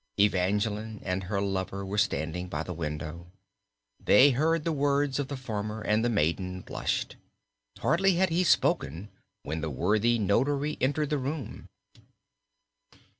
Evangeline and her lover were standing by the window. They heard the words of the farmer and the maiden blushed. Hardly had he spoken when the worthy notary entered the room.